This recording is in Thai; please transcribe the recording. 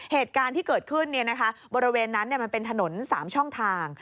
เหตุการณ์ที่เกิดขึ้นบริเวณนั้นมันเป็นถนน๓ช่องทาง